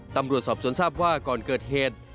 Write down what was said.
ตำรวจสอบสวนทราบว่าก่อนเกิดเหตุ